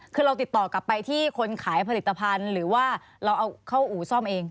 คือเราติดต่อกลับไปที่คนขายผลิตภัณฑ์หรือว่าเราเอาเข้าอู่ซ่อมเอง